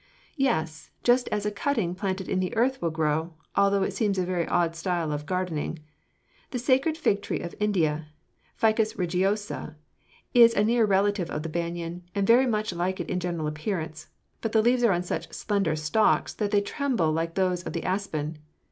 "Yes, just as a cutting planted in the earth will grow, although it seems a very odd style of gardening. The sacred fig tree of India Ficus religiosa is a near relative of the banyan, and very much like it in general appearance; but the leaves are on such slender stalks that they tremble like those of the aspen.